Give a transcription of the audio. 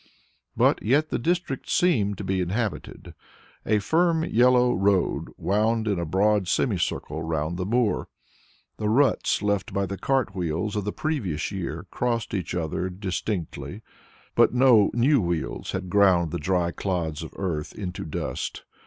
But yet the district seemed to be inhabited. A firm yellow road wound in a broad semicircle round the moor. The ruts left by the cart wheels of the previous year crossed each other distinctly, but no new wheels had ground the dry clods of earth into dust.